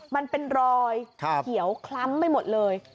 มันเป็นรอยเขียวคล้ำไปหมดเลย